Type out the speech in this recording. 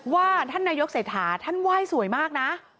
ว่าท่านนายกเศรษฐาท่านไหว้สวยมากนะ